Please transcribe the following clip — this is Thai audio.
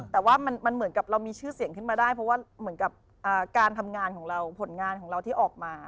แต่ว่ามันเหมือนกับเรามีชื่อเสียงขึ้นมาได้เพราะว่าเหมือนกับการทำงานของเราผลงานของเราที่ออกมา